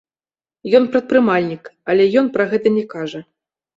Ён прадпрымальнік, але ён пра гэта не кажа.